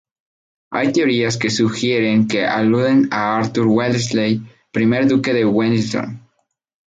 Hay teorías que sugieren que alude a Arthur Wellesley, primer duque de Wellington.